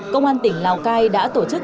công an tỉnh lào cai đã tổ chức